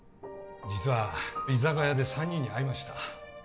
実は居酒屋で３人に会いました